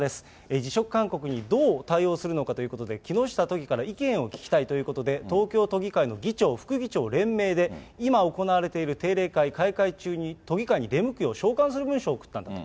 辞職勧告にどう対応するのかということで、木下都議から意見を聞きたいということで、東京都議会の議長、副議長連名で、今行われている定例会開会中に都議会に出向くよう召喚する文書を送ったんだと。